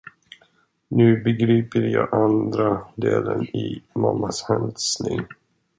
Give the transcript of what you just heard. Nu begriper jag andra delen i mammas hälsning.